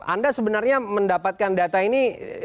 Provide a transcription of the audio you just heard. anda sebenarnya mendapatkan data ini